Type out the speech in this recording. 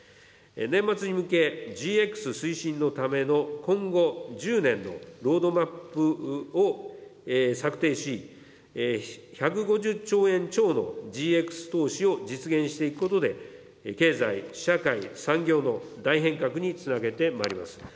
年末に向け、ＧＸ推進のための今後１０年のロードマップを策定し、１５０兆円超のＧＸ投資を実現していくことで、経済、社会、産業の大変革につなげてまいります。